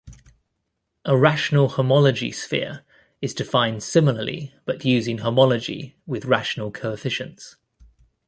A rational homology sphere is defined similarly but using homology with rational coefficients.